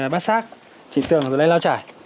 bát sát trị tượng rồi lại lào trải